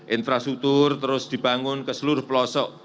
infrastruktur terus dibangun ke seluruh pelosok